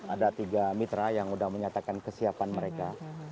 ada tiga mitra yang sudah menyatakan kesiapan mereka